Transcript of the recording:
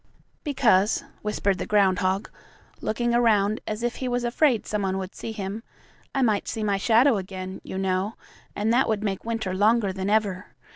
"Because," whispered the groundhog, looking around as if he was afraid some one would see him, "I might see my shadow again, you know, and that would make winter longer than ever.